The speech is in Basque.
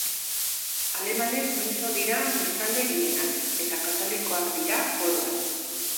Alemanez mintzo dira biztanle gehienak, eta katolikoak dira, oro har.